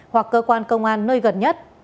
hoặc cơ quan công an nơi gần nhất